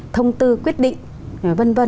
thông tư quyết định v v